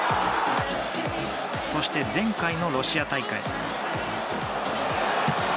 そして前回のロシア大会。